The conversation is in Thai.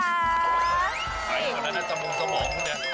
นั่นแหละนั่นสมมุมสมองของนี่